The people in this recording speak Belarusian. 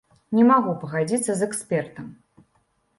Не магу пагадзіцца з экспертам.